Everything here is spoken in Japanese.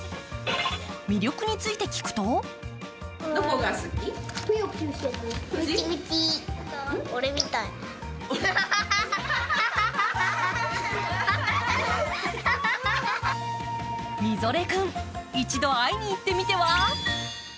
魅力について聞くとミゾレ君、一度会いに行ってみては？